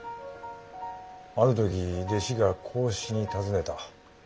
ある時弟子が孔子に尋ねた。